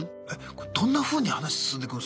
どんなふうに話進んでいくんすか？